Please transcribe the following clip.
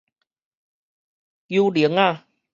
搝鈴仔